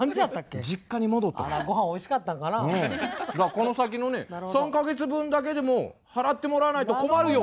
この先のね３か月分だけでも払ってもらわないと困るよ。